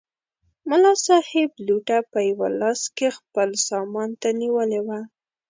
ملا صاحب لوټه په یوه لاس کې خپل سامان ته نیولې وه.